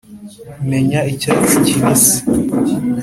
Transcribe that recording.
menya icyatsi kibisi,